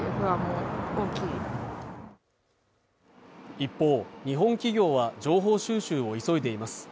一方日本企業は情報収集を急いでいます